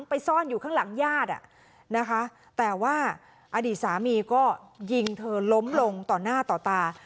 ไปซ่อนอยู่ข้างหลังญาตินะคะแต่ว่าอดีตสามีก็ยิงเธอล้มลงต่อหน้าต่อตา